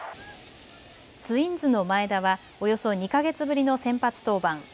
ツインズの前田はおよそ２か月ぶりの先発登板。